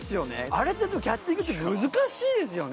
あれってキャッチングって難しいですよね。